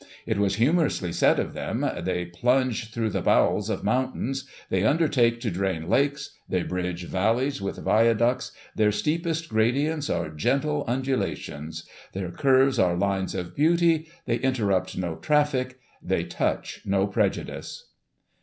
It was humourously said of them, ' they plunge through the bowels of mountains; they undertake to drain lakes; they bridge valleys with viaducts ; their steepest gradients are gentle un dulations ; their curves are lines of beauty ; they interrupt no traffic ; they touch no prejudice.